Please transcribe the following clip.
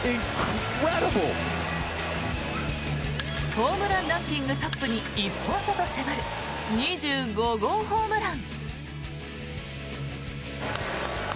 ホームランランキングトップに１本差と迫る２５号ホームラン。